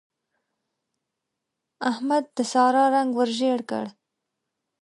احمد د سارا رنګ ور ژړ کړ.